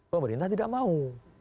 pemerintah tidak mau